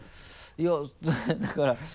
いやだから